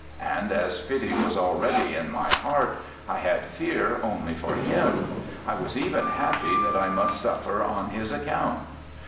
And as pity was already in my heart I had fear only for him; I was even happy that I must suffer on his account.